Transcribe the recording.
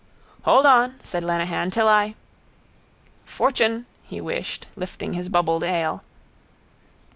—Hold on, said Lenehan, till I... —Fortune, he wished, lifting his bubbled ale.